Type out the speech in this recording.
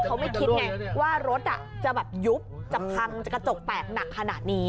เขาไม่คิดไงว่ารถจะแบบยุบจะพังจะกระจกแตกหนักขนาดนี้